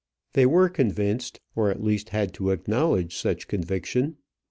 They were convinced; or at least had to acknowledge such conviction.